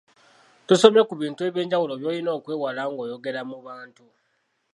Tusomye ku bintu eby’enjawulo by’olina okwewala ng’oyogera mu bantu.